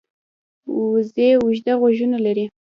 وزې اوږده غوږونه لري